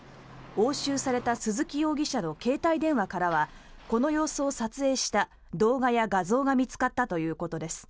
押収された鈴木容疑者の携帯電話からはこの様子を撮影した動画や画像が見つかったということです。